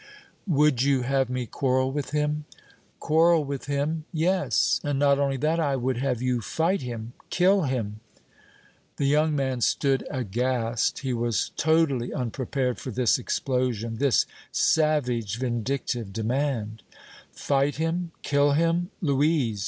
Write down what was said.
"Would you have me quarrel with him?" "Quarrel with him? Yes; and not only that! I would have you fight him, kill him!" The young man stood aghast. He was totally unprepared for this explosion, this savage, vindictive demand. "Fight him, kill him, Louise!